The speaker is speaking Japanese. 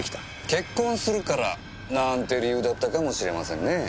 結婚するからなんて理由だったかもしれませんねぇ。